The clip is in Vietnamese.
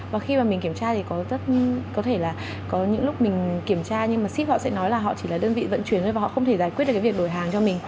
và khi mà mình kiểm tra thì có những lúc mình kiểm tra nhưng mà ship họ sẽ nói là họ chỉ là đơn vị vận chuyển thôi và họ không thể giải quyết được việc đổi hàng cho mình